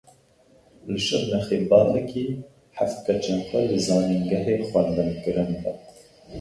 Li Şirnexê bavekî heft keçên xwe li zanîngehê xwendinkirin da.